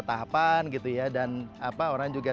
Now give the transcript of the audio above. tahapan dan orang juga